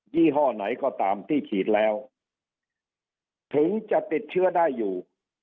ี่ห้อไหนก็ตามที่ฉีดแล้วถึงจะติดเชื้อได้อยู่